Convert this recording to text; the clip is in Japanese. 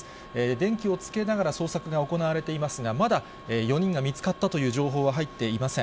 電気をつけながら、捜索が行われていますが、まだ４人が見つかったという情報は入っていません。